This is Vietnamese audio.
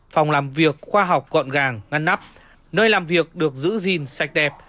phòng làm việc khoa học gọn gàng ngăn nắp nơi làm việc được giữ gìn sạch đẹp